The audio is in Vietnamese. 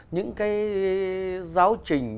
những cái giáo trình